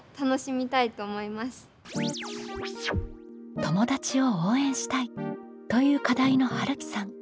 「友達を応援したい」という課題のはるきさん。